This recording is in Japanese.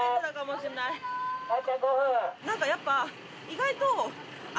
なんかやっぱ意外と。